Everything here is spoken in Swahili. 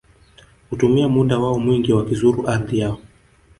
Hutumia muda wao mwingi wakizuru ardhi yao